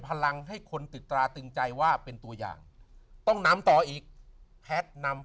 พลังให้คนติดตราตึงใจว่าเป็นตัวอย่างต้องนำต่ออีกแพทย์นำ